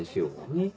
ねっ。